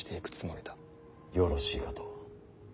よろしいかと。